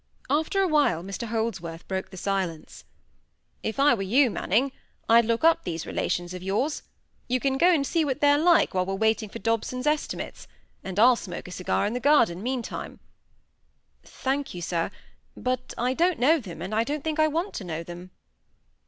After a while, Mr Holdsworth broke the silence:—"If I were you, Manning, I'd look up these relations of yours. You can go and see what they're like while we're waiting for Dobson's estimates, and I'll smoke a cigar in the garden meanwhile." "Thank you, sir. But I don't know them, and I don't think I want to know them."